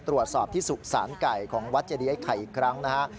ตรวจสอบที่สุสานไก่ของวัดเจดีไอ้ไข่อีกครั้งนะฮะ